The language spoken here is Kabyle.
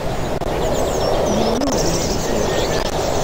Yiwen ur d-yerri s wawal.